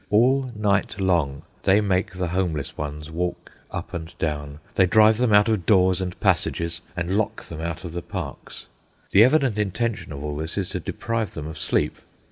All night long they make the homeless ones walk up and down. They drive them out of doors and passages, and lock them out of the parks. The evident intention of all this is to deprive them of sleep.